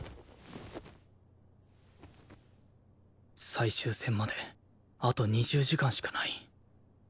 最終戦まであと２０時間しかない